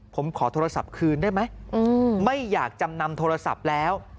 ผมขอโทรศัพท์คืนได้ไหมไม่อยากจำนำโทรศัพท์แล้ว